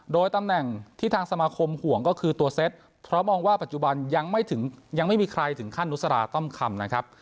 โดยตำแหน่งที่ทางสมาคมห่วงก็คือตัวเซ็ตเพราะมองว่าปัจจุบันยังไม่มีใครถึงขั้นนุสราต้อมคำนะครับ